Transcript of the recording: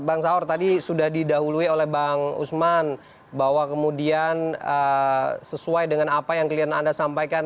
bang saur tadi sudah didahului oleh bang usman bahwa kemudian sesuai dengan apa yang kalian anda sampaikan